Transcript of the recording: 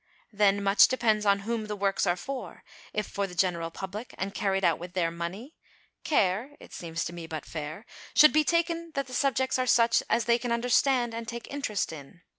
Then much depends on whom the works are for; if for the general public, and carried out with their money, care (it seems to me but fair) should be taken that the subjects are such as they can understand and take interest in.